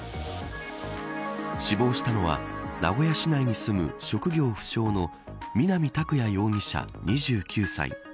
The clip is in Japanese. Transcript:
死亡したのは名古屋市内に住む職業不詳の南拓哉容疑者、２９歳。